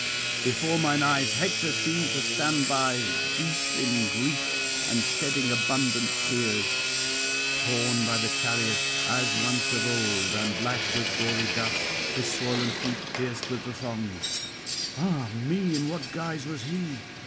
before mine eyes Hector seemed to stand by, deep in grief and shedding abundant tears; torn by the chariot, as once of old, and black with gory dust, his swoln feet pierced with the thongs. Ah me! in what guise was he!